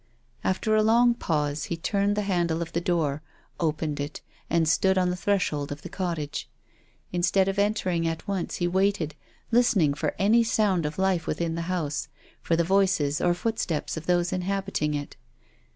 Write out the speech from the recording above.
After a long pause he turned the handle of the door, opened it, and stood on the threshold of the cot tage. Instead of entering at once he waited, listening for any sound of life within the house, for the voices or footsteps of those inhabiting it.